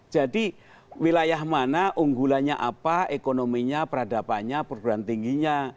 jadi wilayah mana unggulannya apa ekonominya peradabannya perguruan tingginya